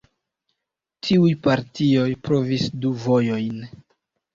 Tiuj partioj provis du vojojn.